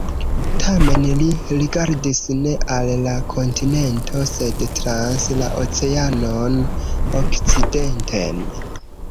Tamen li rigardis ne al la kontinento, sed trans la oceanon, okcidenten.